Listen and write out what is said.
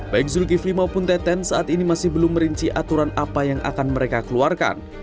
baik zulkifli maupun teten saat ini masih belum merinci aturan apa yang akan mereka keluarkan